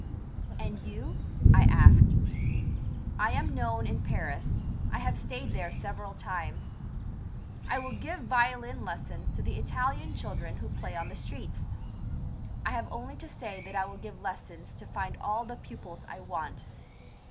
"And you?" I asked. "I am known in Paris, I have stayed there several times. I will give violin lessons to the Italian children who play on the streets. I have only to say that I will give lessons to find all the pupils I want.